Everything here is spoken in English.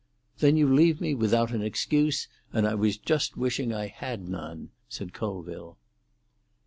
"Then you leave me without an excuse, and I was just wishing I had none," said Colville.